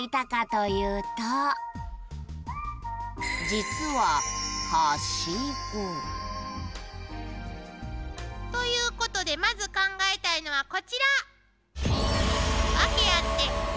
実はということでまず考えたいのはこちら！